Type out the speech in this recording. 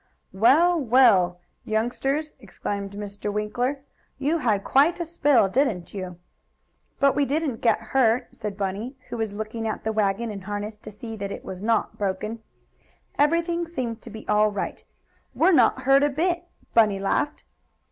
"Well, well, youngsters!" exclaimed Mr. Winkler. "You had quite a spill; didn't you?" "But we didn't get hurt," said Bunny, who was looking at the wagon and harness to see that it was not broken. Everything seemed to be all right. "We're not hurt a bit," Bunny laughed.